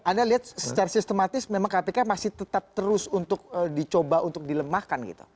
anda lihat secara sistematis memang kpk masih tetap terus untuk dicoba untuk dilemahkan gitu